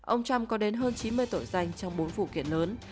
ông trump có đến hơn chín mươi tội danh trong bốn vụ kiến